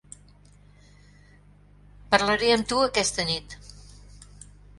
Parlaré amb tu aquesta nit.